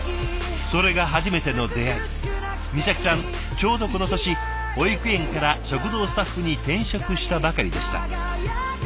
ちょうどこの年保育園から食堂スタッフに転職したばかりでした。